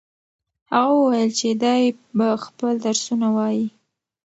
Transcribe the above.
هغه وویل چې دی به خپل درسونه وايي.